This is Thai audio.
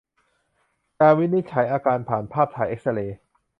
การวินิจฉัยอาการผ่านภาพถ่ายเอ็กซ์เรย์